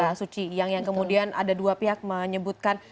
mbak suci yang kemudian ada dua pihak menyebutkan